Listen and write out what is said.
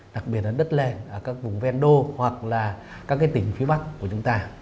đặc biệt là đất nền ở các vùng ven đô hoặc là các tỉnh phía bắc của chúng ta